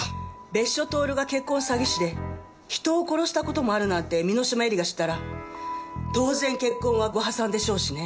別所透が結婚詐欺師で人を殺した事もあるなんて簑島絵里が知ったら当然結婚は御破算でしょうしね。